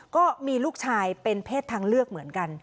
ก็มีลูกชายเป็นเพศทางเลือกเหมือนกัน